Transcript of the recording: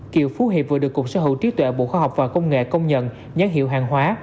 kiệu phú hiệp vừa được cục sở hữu triết tuệ bộ khoa học và công nghệ công nhận nhắn hiệu hàng hóa